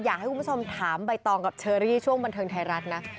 อยากให้คุณผู้ชมถามใบตองกับเชอรี่ช่วงบันเทิงไทยรัฐนะ